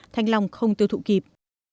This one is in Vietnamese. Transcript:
thanh long không tiêu thụ kịp